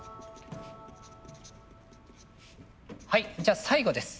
はいじゃあ最後です。